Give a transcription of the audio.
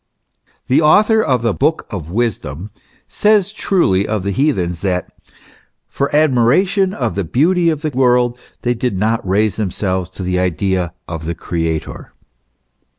The author of the Book of Wisdom says truly of the heathens, that, " for admiration of the beauty of the world they did not raise themselves to the idea of the Creator."